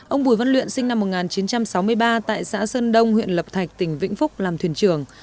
ông bùi văn luyện sinh năm một nghìn chín trăm sáu mươi ba tại xã sơn đông huyện lập thạch tỉnh vĩnh phúc làm thuyền trưởng